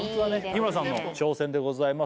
日村さんの挑戦でございます